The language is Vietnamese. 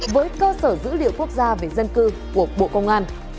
với cơ sở dữ liệu quốc gia về dân cư của bộ công an